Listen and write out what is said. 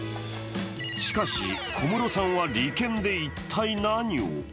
しかし、小室さんは理研で一体何を？